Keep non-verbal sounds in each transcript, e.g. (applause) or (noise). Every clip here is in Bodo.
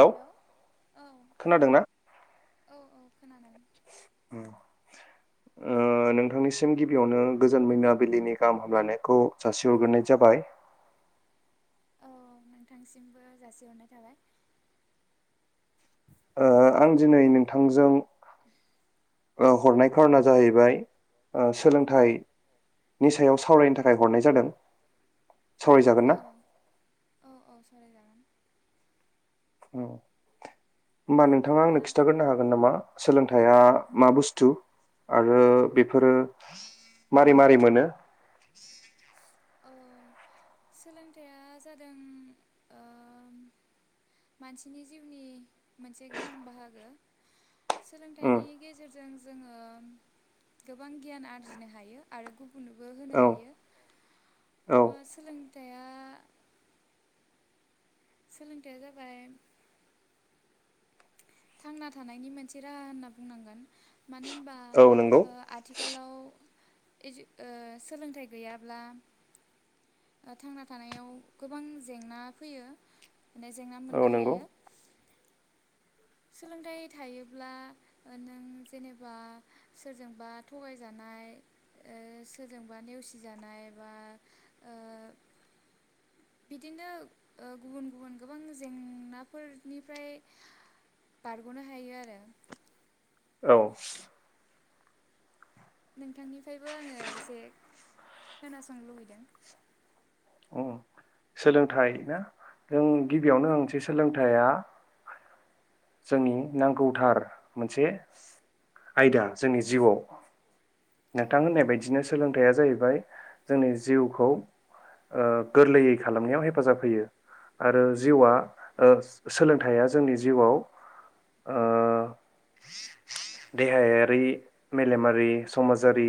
हेलौ औ खोनादोंना? औ औ (unintelligible) ओ नोंथांनिसिम गिबियावनो गोजोन मोनैनाबिलिनि गाहाम हामलायानायखौ जासिहरग्रोनाय जाबाय। औ नोंथांसिमबो जासिहरनाय थाबाय। ओ आं दिनै नोंथांजों हरनाय खारना जाहैबाय ओ सोलोंथाइनि सायाव सावरायनो थाखाय थाखाय हरनाय जादों सावराय जागोन औ ना? औ औ सावरायजागोन औ होमा नोंथाङा आंनो खिथाग्रोनो हागोन नामा सोलोंथाइया मा बुस्थु आरो बेफोरो मारै मारै मोनो अ सोलोंथाइया जादों ओ मानसिनि जिउनि मोनसे गोनां बाहागो उम सोलोंथाइनि गेजेरजों जोङो गोबां गियान आरजिनो हायो आरो गुब औ औ ओ सोलोंथाया सोलोंथायाइया जाबाय थांना थानायनि मोनसे राहा होनना बुंनांगोन मानो होनबा औ नंगौ ओ आथिखाल आथिखालाव सो ओ सोलोंथाइ गैयाब्ला थांना थानायाव गोबां जेंना फैयो। माने जेंना औ मोननो नंगौ हायो। सोलोंथाइ थायोब्ला नों जेनेबा सोरजोंबा थगायजानाय ओ सोरजोंबा ओ नेवसिजानाय बा बिदिनो गुबुन गुबुन गोबां जेंनाफोरनिफ्राय बारग'नो हायो आरो। औ नोंथांनिफ्रायबो आङो एसे खोनासंनो लुबैदों। उम, सोलोंथाइ ना जों गिबियावनो होनसै सोलोंथाइया जोंनि नांगौथार मोनसे आयदा जोंनि जिउआव औ नोंथां होननाय बायदिनो सोलोंथाइया जाहैबाय जोंनि जिउखौ ओ गोरलैयै खालामनायाव हेफाजाब होयो आरो उम जिउआ उम ओ सोलोंथाइया जोंनि जिउआव ओ देहायारि मेलेमारि समाजारि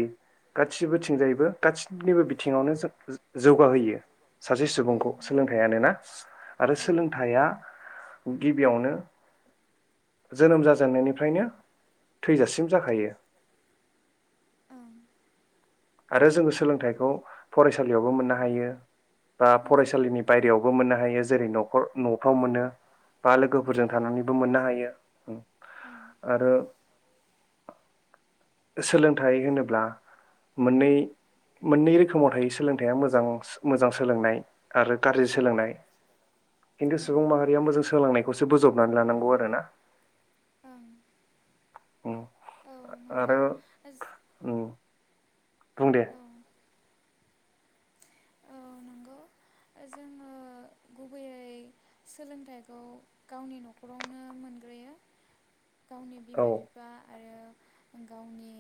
गासिबोथिंजायबो गाससिनिबो बिथिङावनो जों जौ-जौगाहोयो सासे उम सुबुंखौ उम सोलोंथाइान ना आरो औ सोलोंथाइया गिबियावनो जोनोम जाजेननायनिफ्रायनो थैजासिम जाखायो ओं आरो जोङो सोलोंथाइखौ फरायसालियावबो मोननो हायो बा उम फरायसालिनि बायेरायावबो मोननो हायो जेरै न'खर न'फ्राव मोनो बा लोगोफोरजों औ थानानैबो मोननो हायो ओं आरो सोलोंथाइ होनोब्ला मोननै मोननै रोखोमाव थायो सोलोंथाइया मोजां मोजां सोलोंनाय आरो गाज्रि उम सोलोंनाय खिन्थु ओं सुबुं माहारिया मोजां सोलोंनायखौसो बोजबनानै लानांगौ आरोना औं आरो जो- बुं दे औ औ नंगौ जोङो गुबैयै सोलोंथाइखौ गावनि न'खरावनो मोनग्रोयो गावनि औ बिमा बिफा आरो गावनि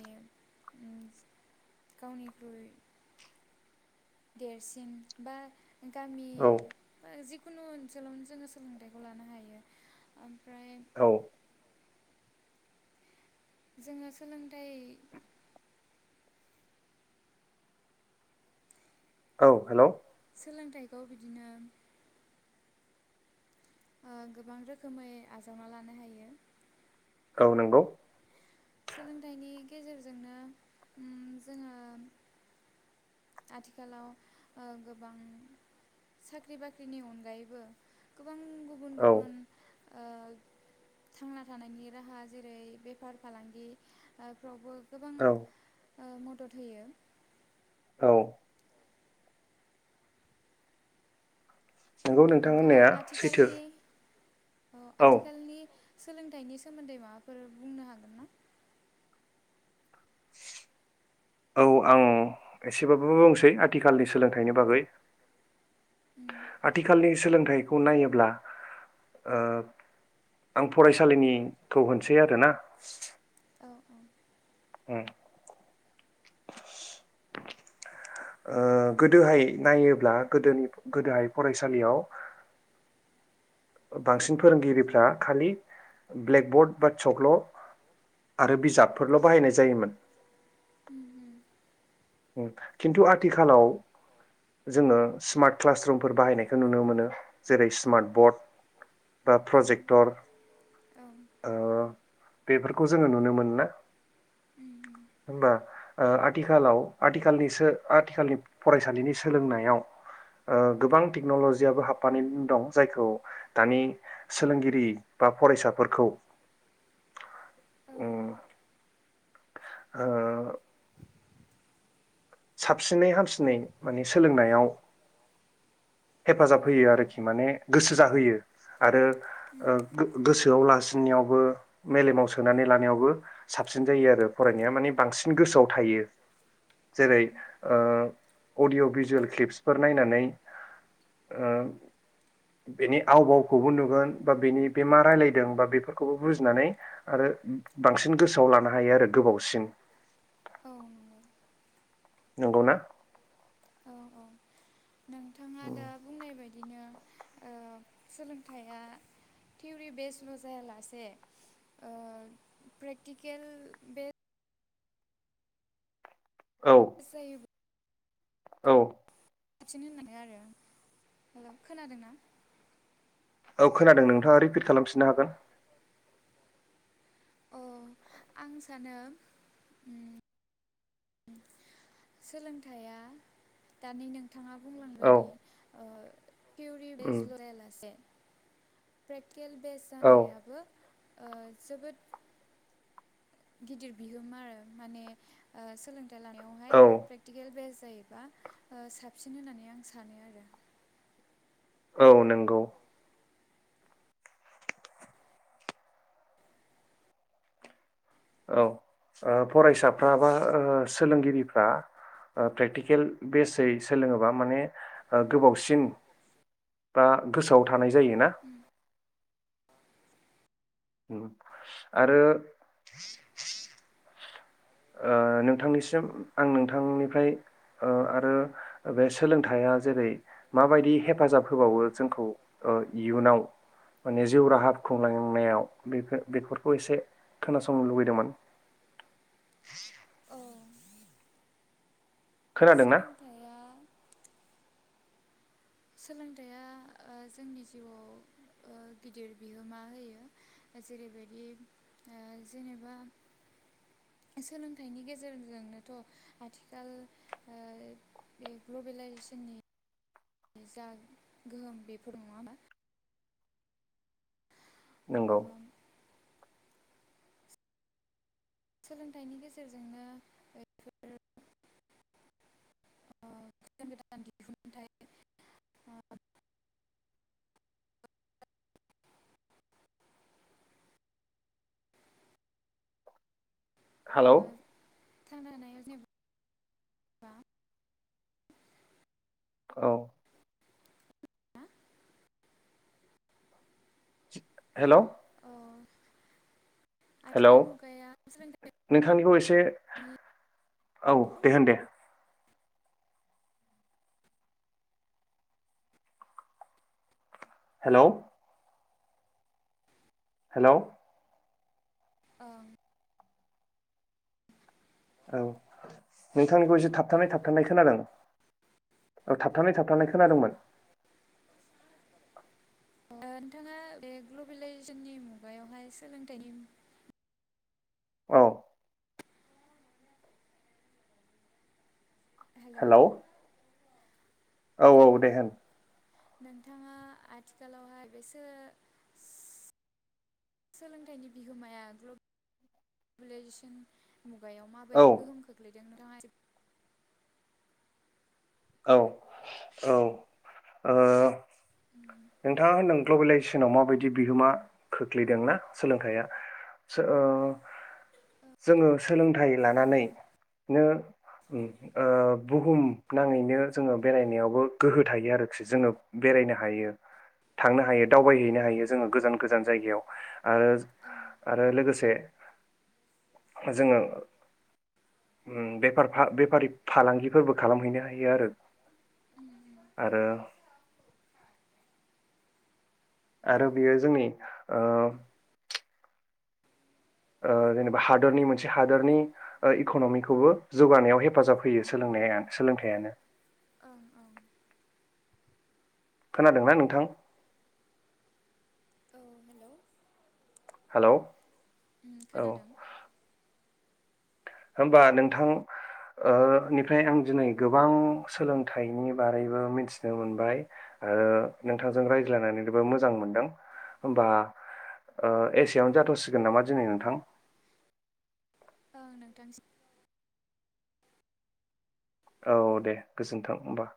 गावनिख्रुइ देरसिन बा गामि औ जि खुनु ओनसोलावनो जोङो सोलोंथाइखौ लानो हायो ओमफ्राय औ जोङो सोलोंथाइ औ हेलौ सोलोंथाइखौ बिदिनो ओ गोबां रोखोमै आजावना लानो हायो औ नंगौ सोलोंथाइनि गेजेरजोंनो जोङो आथिखालाव ओ गोबां साख्रि बाख्रिनि अनगायैबो गोबां गुबुन औ गुबुन ओ थांना थानायनि राहा जेरै बेफार फालांगिफ्रावबो गोबां औ ओ मदद होयो औ नंगौ औ नोंथां नोंथाङा होननाया सैथो आथिखालनि औ आथिखालनि सोलोंथाइनि सोमोन्दै माबाफोर बुंनो हागोन ना औ आं एसेबाबो बुंसै आथिखालनि सोलोंथाइनि बागै उम आथिखालनि सोलोंथाइ थाइखौ नायोब्ला ओ आं फरायसालिनिखौ होनसै आरोना औ औ (unintelligible) ओ गोदोहाय नायोब्ला गोदोनि गोदोहाय फरायसालियाव बांसिन फोरोंगिरिफ्रा उम खालि ब्लेकबर्ड बा सक्ल' आरो बिजाबफोरल' बाहायनाय जायोमोन उम ओम खिन्थु आथिखालाव जोङो स्मार्ट क्लासरुमफोर बाहायनायखौ नुनो मोनो जेरै स्मार्ट बर्ड बा उम प्रजेक्टर औ ओ बेफोरखौ जोङो नुनो मोनो ना उम उम होमबा ओ आथिखालाव आथिखालनि सो आथिखालनि फरायसालिनि सोलोंनायाव ओ गोबां टेक्नलजियाबो हाबफानानै दं जायखौ दानि सोलोंगिरि बा फरायसाफोरखौ औ उम ओ साबसिनै हामसिनै माने सोलोंनायाव हेफाजाब औ होयो आरोखि माने गोसो जाहोयो आरो उम ओ गो गोसो गोसोआव लासिननायावबो मेलेमाव सोनानै लानायावबो साबसिन जायो आरो फरायनाया माने बांसिन गोसोआव थायो जेरै औ ओ अडअ' भिजुयेल क्लिप्सफोर नायनानै ओ बेनि आवबावखौबो नुगोन बा बेनि बेमा रायलायदों बा बेफोरखौबो बुजिनानै आरो बांसिन गोसोआव लानो हायो आरो गोबावसिन औ नंगौ नंगौ ना औ औ नोंथाङा दा बुंनाय बायदिनो ओ सोलोंथाइया थिउरि बेस्ल' जायालासे प्रेक्टिकेल बे औ स जायोब्ला औ (unintelligible) होननानै आरो हेल' खोनादोंना औ खोनादों नोंथाङा रिपिट खालामफिननो हागोन अ आं सानो उम सोलोंथाइया दानि नों थाङा बुंलांनाय औ बायदि ओ थिउरि उम बेस्ल' जायालासे प्रे क्टिकेल बेस औ जानायाबो ओ जोबोद गिदिर बिहोमा आरो माने ओ सोलोंथाइ लानायावहाय औ प्रेक्टिकेल बेस जायोबा ओ साबसिन होननानै आं सानो आरो औ नंगौ औ ओ फरायसाफ्रा बा ओ सोलोंगिरिफ्रा ओ प्रेक्टिकेल बेसै सोलोङोबा माने ओ गोबावसिन बा गोसोआव थानाय जायोना उम आरो ओ नोंथांनिसिम आं नोंथांनिफ्राय ओ आरो बे सोलोंथाइया जेरै माबायदि हेफाजाब होबावो जोंखौ इयुनाव माने जिउ राहा खुंलांनायाव बे बेफोरखौ एसे खोनासंनो लुुबैदोंमोन (unintelligible) औ खोनादोंना सोलोंथाइया सोलोंथाइया ओ जोंनि जिउआव ओ गिदिर बिहोमा होयो जेरैबायदि ओ जेनेबा सोलोंथाइनि गेजेरजोंनोथ' आथिखाल ओ बे ग्लबेलाइजेसननि जा गोहोम बेफोर नङा होमबा ओ नंगौ सोलोंथाइनि गेजेरजोंनो (inaudible) ओ गोदान गोदान दिहुनथाइ ओ ओ हेलौ (inaudible) औ (inaudible) हेलौ अ हेलौ नोंथांनिखौ एसे औ ओं दे होन दे हेलौ हेलौ ओं औ नोंथांनिखौ एसे थाबथानाय थाबथानाय खोनादों औ थाबथानाय थाबथानाय खोनादोंमोन नोंथाङा बे ग्लबेलाइजेसननि मुगायावहाय सोलोंथाइनि औ हेलौ औ औ दे होन नोंथाङा आथिखालावहाय बेसो सोलोंथाइनि बिहोमाया ग्लबेलाइजेसन मुगायाव औ माबायदि गोहोम खोख्लैयो बि (unintelligible) औ औ ओ नोंथाङा होन्दों ग्लबेलाइजेसनाव माबायदि बिहोमा खोख्लैदोंना सोलोंथाइया ओ जोङो सोलोंथाइ ओं लानानैनो ओ बुहुम नाङैनो जोङो बेरायनायावबो गोहो थायो आरोखि जोङो बेरायनो हायो थांनो हायो ओं दावबायहैनो हायो जोङो गोजान गोजान जायगायाव आरो ओं आरो लोगोसे जोङो उम बेफारफा बेफारि फालांगिफोरबो खालामहैनो हायो आरो आरो आरो ओं बियो जोंनि ओ ओ जेनेबा हादरनि मोनसे हादरनि ओ इक'न'मिखौबो जौगानायाव हेफाजाब होयो सोलोंनाया सोलोंथायानो ओं ओं खोनादोंना नोंथां औ हेलौ हालौ खोनादों होमबा नोंथां ओ निफ्राय आं दिनै गोबां सोलोंथाइनि बारैबो मिथिनो मोनबाय ओ नोंथांजों रायज्लायनानैबो मोजां मोनदों होमबा ओ एसेयावनो जाथ'सिगोन नामा दिनै नोंथां ओं नोंथां औ दे गोजोन्थों होमबा